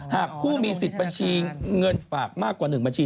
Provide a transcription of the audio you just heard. หากผู้มีสิทธิ์บัญชีเงินฝากมากกว่า๑บัญชี